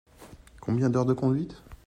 Combien d’heures de conduite ?